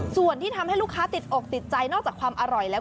ส่วนที่ทำให้ลูกค้าติดอกติดใจนอกจากความอร่อยแล้ว